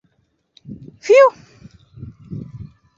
— Фью...